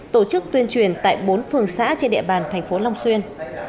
tổ chức tuyên truyền tại bốn phường xã trên địa bàn tp long xuyên